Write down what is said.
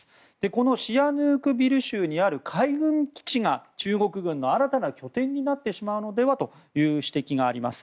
このシアヌークビル州にある海軍基地が中国軍の新たな拠点になってしまうのではという指摘があります。